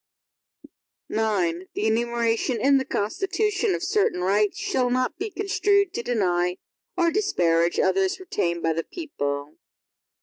IX The enumeration in the Constitution, of certain rights, shall not be construed to deny or disparage others retained by the people.